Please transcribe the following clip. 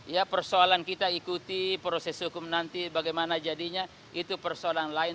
ya persoalan kita ikuti proses hukum nanti bagaimana jadinya itu persoalan lain